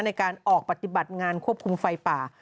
ในการออกปฏิบัติงานควบคุมไฟป่า